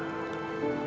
terima kasih banyak ustaz